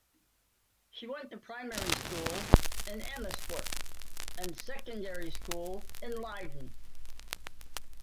She went to primary school in Amersfoort and secondary school in Leiden.